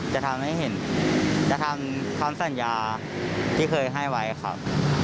จะทำให้เห็นจะทำคำสัญญาที่เคยให้ไว้ครับ